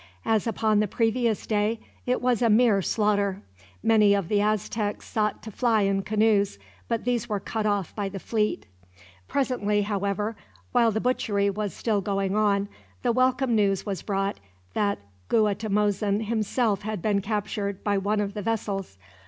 As upon the previous day it was a mere slaughter. Many of the Aztecs sought to fly in canoes, but these were cut off by the fleet. Presently, however, while the butchery was still going on, the welcome news was brought that Guatimozin himself had been captured by one of the vessels.